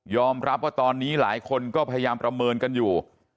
รับว่าตอนนี้หลายคนก็พยายามประเมินกันอยู่